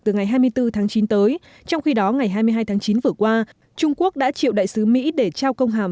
từ ngày hai mươi bốn tháng chín tới trong khi đó ngày hai mươi hai tháng chín vừa qua trung quốc đã chịu đại sứ mỹ để trao công hàm